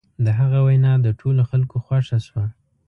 د هغه وینا د ټولو خلکو خوښه شوه.